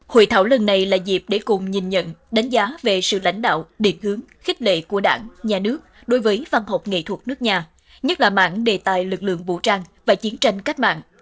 hội thảo lần này là dịp để cùng nhìn nhận đánh giá về sự lãnh đạo điện hướng khích lệ của đảng nhà nước đối với văn học nghệ thuật nước nhà nhất là mạng đề tài lực lượng vũ trang và chiến tranh cách mạng